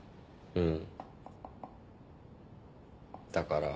うん。